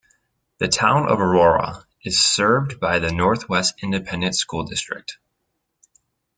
The Town of Aurora is served by the Northwest Independent School District.